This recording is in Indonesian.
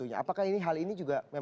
apakah hal ini juga